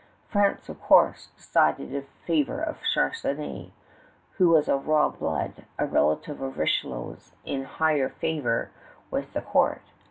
France, of course, decided in favor of Charnisay, who was of royal blood, a relative of Richelieu's, in high favor with the court.